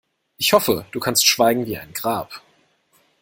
Ich hoffe, du kannst schweigen wie ein Grab.